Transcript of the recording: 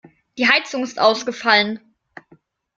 Die Heizung ist ausgefallen.